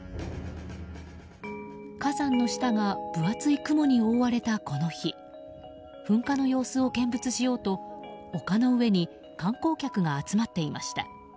火山の下が分厚い雲に覆われたこの日噴火の様子を見物しようと丘の上に観光客が集まっていました。